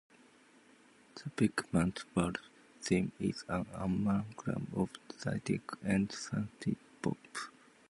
The "Beakman's World" theme is an amalgam of Zydeco and Synthpop.